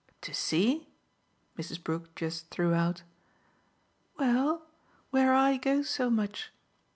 "To see ?" Mrs. Brook just threw out. "Well, where I go so much.